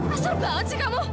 kasar banget sih kamu